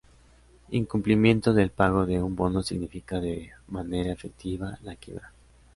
Incumplimiento del pago de un bono significa de manera efectiva la quiebra.